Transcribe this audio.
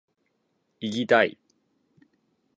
いぎだい！！！！